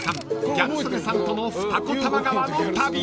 ギャル曽根さんとの二子玉川の旅］